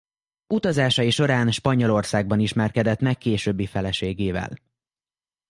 Utazásai során Spanyolországban ismerkedett meg későbbi feleségével.